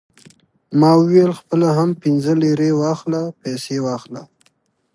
ما وویل: خپله هم پنځه لېرې واخله، پیسې واخله.